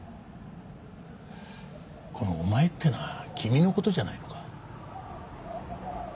この「お前」ってのは君の事じゃないのか？